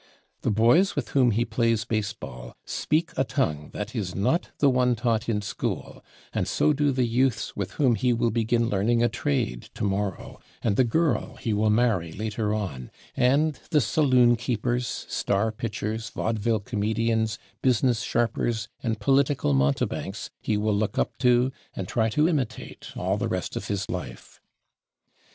The boys with whom he plays baseball speak a tongue that is not the one taught in school, and so do the youths with whom he will begin learning a trade tomorrow, and the girl he will marry later on, and the saloon keepers, star pitchers, vaudeville comedians, business [Pg187] sharpers and political mountebanks he will look up to and try to imitate all the rest of his life.